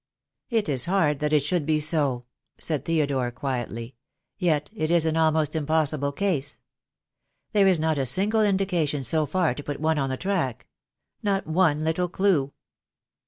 "It is hard that it should be so," said Theodore, quietly, "yet it is an almost impossible case. There is not a single indication so far to put one on the track — not one little clue."